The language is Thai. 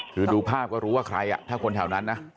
คือดูภาพก็รู้ว่าใครถ้าคนแถวนั้นนะ